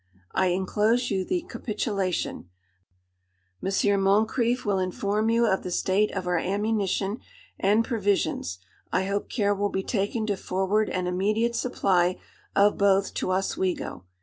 I inclose you the capitulation: M. Moncrief will inform you of the state of our ammunition and provisions; I hope care will be taken to forward an immediate supply of both to Oswego.